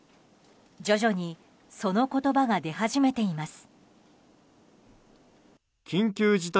徐々にその言葉が出始めています。